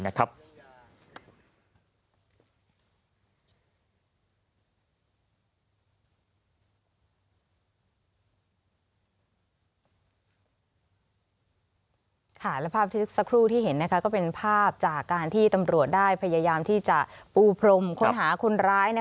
แล้วภาพสักครู่ที่เห็นก็เป็นภาพจากการที่ตำรวจได้พยายามที่จะปูพรมค้นหาคนร้าย